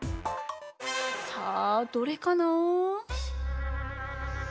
さあどれかな？